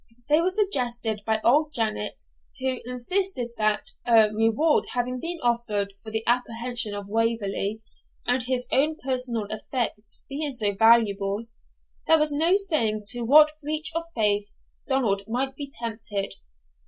They were suggested by old Janet, who insisted that, a reward having been offered for the apprehension of Waverley, and his own personal effects being so valuable, there was no saying to what breach of faith Donald might be tempted.